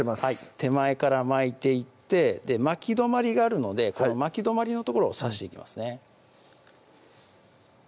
手前から巻いていって巻き止まりがあるのでこの巻き止まりの所を刺していきますね